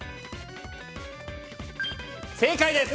正解です！